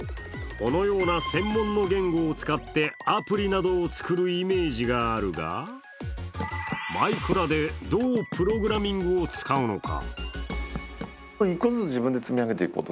このような専門の言語を使ってアプリなどを作るイメージがあるが「マイクラ」で、どうプログラミングを使うのか。